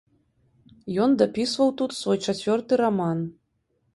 Ён дапісваў тут свой чацвёрты раман.